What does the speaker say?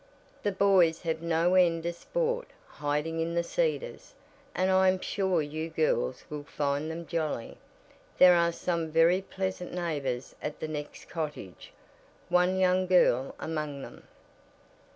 "The boys have no end of sport hiding in the cedars, and I am sure you girls will find them jolly. There are some very pleasant neighbors at the next cottage one young girl among them."